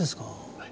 はい。